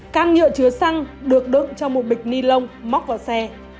can nhựa chứa xăng được đựng trong một bịch ni lông móc vào xe